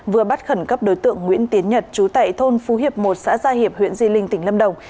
vừa bắt khẩn cấp đối tượng nguyễn tiến nhật trú tại thôn phú hiệp một xã gia hiệp huyện di linh tỉnh lâm đồng